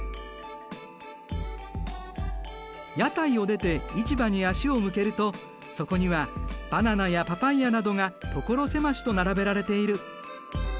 屋台を出て市場に足を向けるとそこにはバナナやパパイヤなどが所狭しと並べられている。